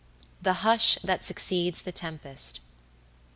THE HUSH THAT SUCCEEDS THE TEMPEST.